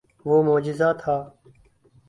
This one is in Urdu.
وہ معجزہ تھا۔